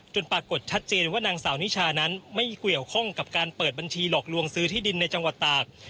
ปรากฏชัดเจนว่านางสาวนิชานั้นไม่เกี่ยวข้องกับการเปิดบัญชีหลอกลวงซื้อที่ดินในจังหวัดตาก